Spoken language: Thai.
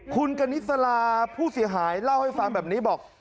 คุณกนิสลาผู้เสียหายเล่าให้ฟังแบบนี้บอก